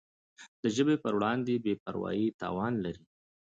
د ژبي پر وړاندي بي پروایي تاوان لري.